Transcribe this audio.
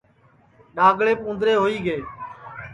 ڈؔاگݪیپ اُوندرے ہوئی گے